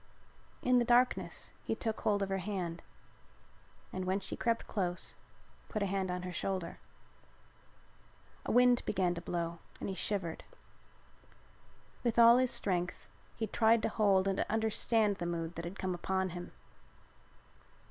In the darkness he took hold of her hand and when she crept close put a hand on her shoulder. A wind began to blow and he shivered. With all his strength he tried to hold and to understand the mood that had come upon him.